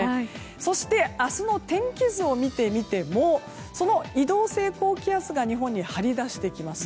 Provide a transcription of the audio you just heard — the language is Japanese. そして明日の天気図を見てみても移動性高気圧が日本に張り出してきます。